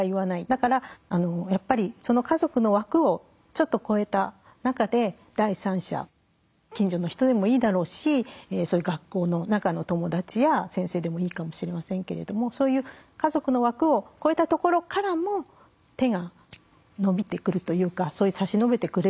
だからやっぱりその家族の枠をちょっとこえた中で第三者近所の人でもいいだろうし学校の中の友達や先生でもいいかもしれませんけれどもそういう家族の枠をこえたところからも手が伸びてくるというか差し伸べてくれる。